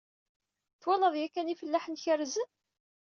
Twalaḍ yakan ifellaḥen kerrzen?